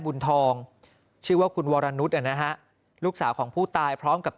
บุญทองชื่อว่าคุณวรนุษย์นะฮะลูกสาวของผู้ตายพร้อมกับ